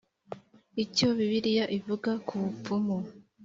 Icyo Bibiliya ivuga ku bupfumu.